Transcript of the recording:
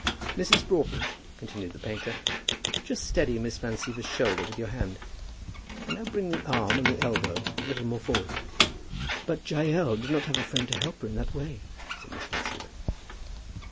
"Mrs. Broughton," continued the painter, "just steady Miss Van Siever's shoulder with your hand; and now bring the arm and the elbow a little more forward." "But Jael did not have a friend to help her in that way," said Miss Van Siever.